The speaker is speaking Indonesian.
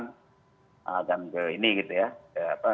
kita sudah menjelaskan ke ini gitu ya